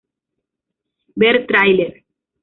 Ver trailer